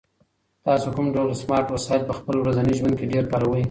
تاسو کوم ډول سمارټ وسایل په خپل ورځني ژوند کې ډېر کاروئ؟